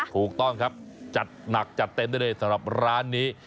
ถูกต้องครับจัดหนักจัดเต็มได้เลยสำหรับร้านนี้